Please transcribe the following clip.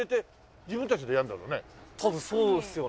「多分そうですよね」